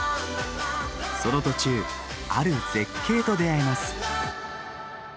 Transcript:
その途中ある絶景と出会えます。